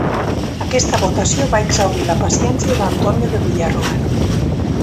Aquesta votació va exhaurir la paciència d'Antonio de Villarroel.